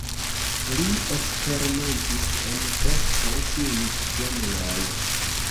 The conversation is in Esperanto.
Li eksperimentis en preskaŭ ĉiuj ĝenroj.